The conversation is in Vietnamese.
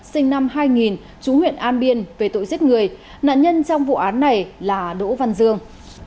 sinh năm hai nghìn chú huyện an biên về tội giết người nạn nhân trong vụ án này là đỗ văn dương